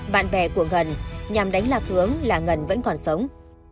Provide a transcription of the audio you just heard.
bạn bè của ngân nhằm đánh lạc hướng là ngân vẫn còn sống